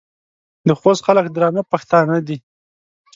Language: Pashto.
د خوست خلک درانه پښتانه دي.